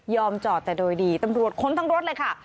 จอดแต่โดยดีตำรวจค้นทั้งรถเลยค่ะ